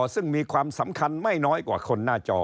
ซึ่งมีความสำคัญไม่น้อยกว่าคนหน้าจอ